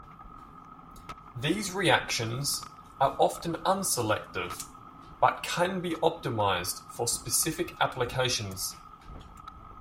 These reactions are often unselective but can be optimized for specific applications.